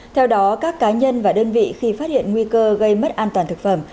theo đó các cá nhân và đơn vị khi phát hiện nguy cơ gây mất an toàn thực phẩm